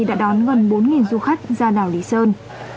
đã đón gần bốn du khách ra đảo lý sơn